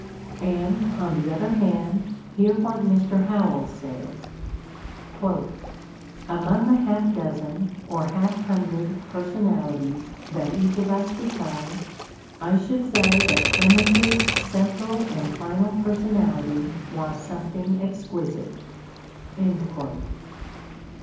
And on the other hand, hear what Mr. Howells says: "Among the half dozen, or half hundred, personalities that each of us becomes, I should say that Clemens 's central and final personality was something exquisite."